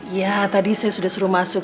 ya tadi saya sudah suruh masuk